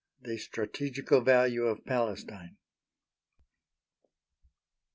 THE STRATEGICAL VALUE OF PALESTINE.